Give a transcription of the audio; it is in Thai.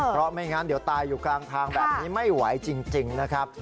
เพราะไม่งั้นเดี๋ยวตายอยู่กลางทางแบบนี้ไม่ไหวจริงนะครับ